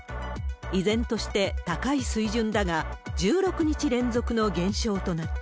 依然として高い水準だが、１６日連続の減少となった。